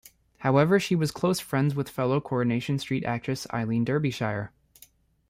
However she was close friends with fellow Coronation Street actress Eileen Derbyshire.